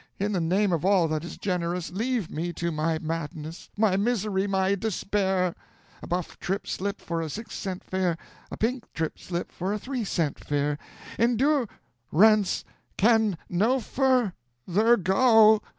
In the name of all that is generous, leave me to my madness, my misery, my despair! a buff trip slip for a six cent fare, a pink trip slip for a three cent fare endu rance can no fur ther go!